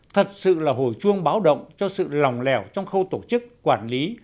thật sự là hồi chuông báo động cho sự lòng lẻo trong khâu tổ chức quản lý